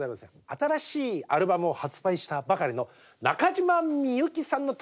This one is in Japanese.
新しいアルバムを発売したばかりの中島みゆきさんの特集もございます。